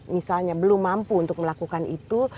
misalnya belum mampu untuk melakukan itu